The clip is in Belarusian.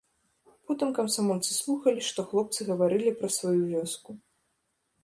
Потым камсамольцы слухалі, што хлопцы гаварылі пра сваю вёску.